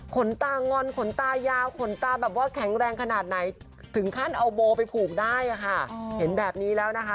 ขนตางอนขนตายาวขนตาแบบว่าแข็งแรงขนาดไหนถึงขั้นเอาโบไปผูกได้อะค่ะเห็นแบบนี้แล้วนะคะ